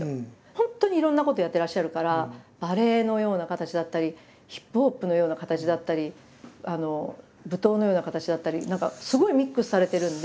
本当にいろんなことをやってらっしゃるからバレエのような形だったりヒップホップのような形だったり舞踏のような形だったり何かすごいミックスされてるんで。